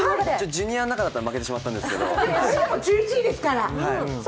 ジュニアの中だったら負けてしまったんですけど。